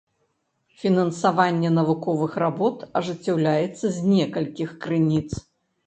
Фінансаванне навуковых работ ажыццяўляецца з некалькіх крыніц.